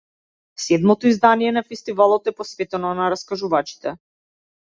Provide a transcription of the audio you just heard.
Седмото издание на фестивалот е посветено на раскажувачите.